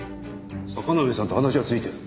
坂之上さんと話はついてる。